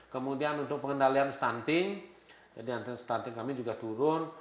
kemudian untuk pengendalian stunting jadi anti stunting kami juga turun